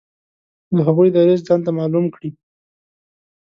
د هغوی دریځ ځانته معلوم کړي.